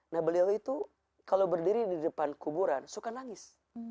nah beliau itu kalau berdiri di depan kuburan suka nangis